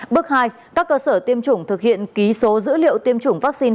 bước hai các cơ sở tiêm chủng thực hiện ký số dữ liệu tiêm chủng vaccine